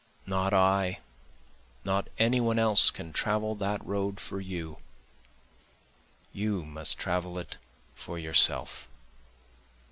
Not I, not any one else can travel that road for you, You must travel it for yourself.